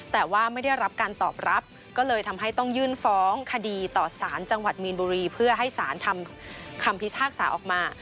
แต่ว่าไม่ได้รับการตอบรับก็เลยทำให้ต้องยื่นฟ้องคดีต่อสารจังหวัดมีนบุรีเพื่อให้สารทำคำพิพากษาออกมา